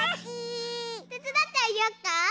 てつだってあげよっか？